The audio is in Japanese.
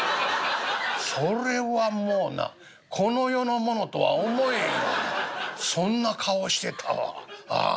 それはもうなこの世のものとは思えんようなそんな顔してたわああ。